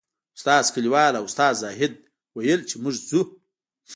استاد کلیوال او استاد زاهد ویل چې موږ ځو.